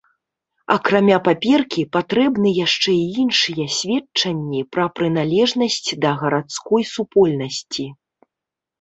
Акрамя паперкі патрэбны яшчэ і іншыя сведчанні пра прыналежнасць да гарадской супольнасці.